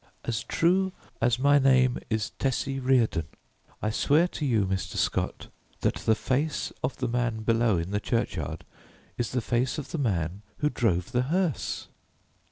"As true as my name is Tessie Reardon, I swear to you, Mr. Scott, that the face of the man below in the churchyard is the face of the man who drove the hearse!"